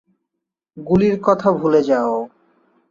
গুলির কথা ভুলে যাও।